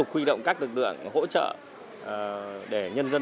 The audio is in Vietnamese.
khởi thồng cống rãnh phối hợp với các đoàn thanh niên